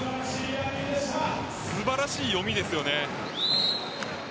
素晴らしい読みですよね。